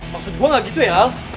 maksud gue gak gitu ya